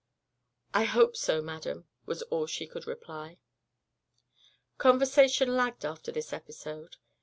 "I hope so, madam," was all she could reply. Conversation lagged after this episode.